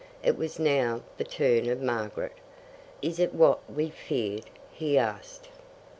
It was now the turn of Margaret. "Is it what we feared?" he asked.